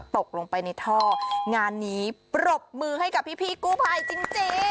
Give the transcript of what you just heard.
ตกลงไปในท่องานนี้ปรบมือให้กับพี่กู้ภัยจริง